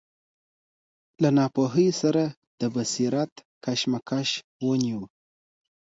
له ناپوهۍ سره د بصیرت کشمکش وینو.